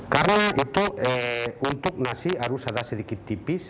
karena itu untuk nasi harus ada sedikit tipis